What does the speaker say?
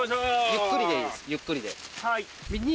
ゆっくりでいいですゆっくりで。